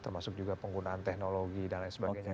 termasuk juga penggunaan teknologi dan lain sebagainya